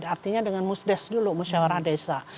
artinya dengan musdes dulu musyawarah desa